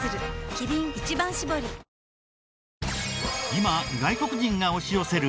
今外国人が押し寄せる